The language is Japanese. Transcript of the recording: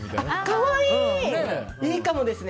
可愛い！いいかもですね。